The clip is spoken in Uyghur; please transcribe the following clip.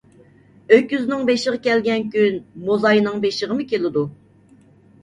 ئۆكۈزنىڭ بېشىغا كەلگەن كۈن موزاينىڭ بېشىغىمۇ كېلىدۇ.